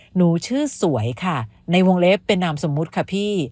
หนูชื่อสวยค่ะในวงเล็บเป็นนามสมมุติค่ะพี่